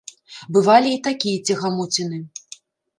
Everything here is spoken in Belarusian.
Бывалі і такія цягамоціны.